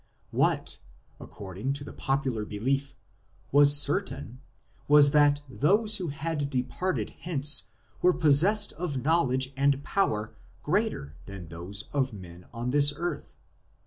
What, according to the popular belief, was certain was that those who had de 202 THE DEVELOPMENT OF BELIEF 203 parted hence were possessed of knowledge and power greater than those of men on this earth.